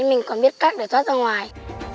mình còn biết cách để thoát ra ngoài